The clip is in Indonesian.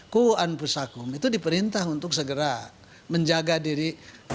kuan pusakum itu diperintah untuk segera menjaga diri